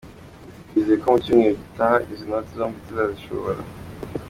Ati “Twizeye ko mu cyumweru gitaha izi noti zombi tuzazisohora.